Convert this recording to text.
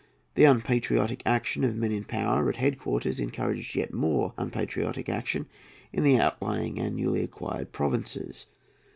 The unpatriotic action of men in power at head quarters encouraged yet more unpatriotic action in the outlying and newly acquired provinces.